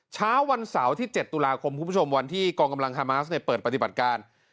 เช้าวันเสาร์ที่๗ตุลาคมคุณผู้ชมวันที่กองกำลังฮามาสเปิดปฏิบัติการ